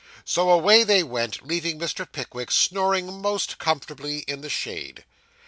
So away they went, leaving Mr. Pickwick snoring most comfortably in the shade.